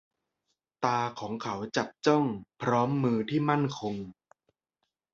ตาของเขาจับจ้อง พร้อมมือที่มั่นคง